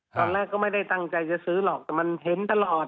ตอนแรกก็ไม่ได้ตั้งใจจะซื้อหรอกแต่มันเห็นตลอด